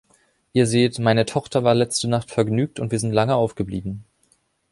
Ihr seht, meine Tochter war letzte Nacht vergnügt, und wir sind lange aufgeblieben.